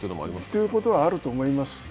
ということはあると思います。